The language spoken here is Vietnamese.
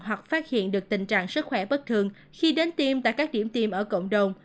hoặc phát hiện được tình trạng sức khỏe bất thường khi đến tiêm tại các điểm tiêm ở cộng đồng